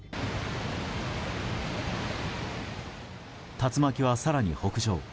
竜巻は更に北上。